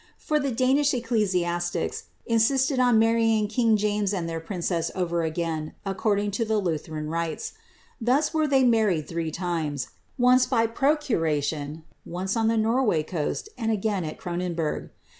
For the Danish ecclcsia^lics insisied on marryin; king James and their princess over again, according tu llie Lulherau rites. Thus were they married throe limes — once by procuration, once on the Norway coast, and again at Cronenburg.